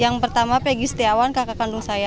yang pertama peggy setiawan kakak kandung saya